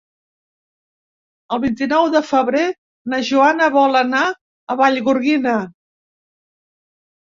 El vint-i-nou de febrer na Joana vol anar a Vallgorguina.